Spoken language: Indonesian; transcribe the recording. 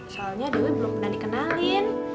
soalnya dulu belum pernah dikenalin